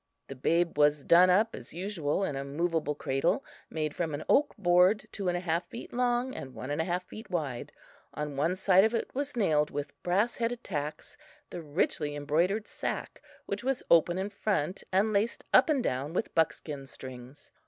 The babe was done up as usual in a movable cradle made from an oak board two and a half feet long and one and a half feet wide. On one side of it was nailed with brass headed tacks the richly embroidered sack, which was open in front and laced up and down with buckskin strings.